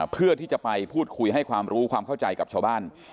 เพื่อที่จะไปพูดคุยให้ความรู้ความเข้าใจกับชาวบ้าน